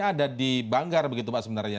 ada di banggar begitu pak sebenarnya